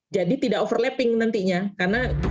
jadi tidak overlapping nantinya